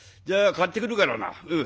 じゃあ買ってくるからな。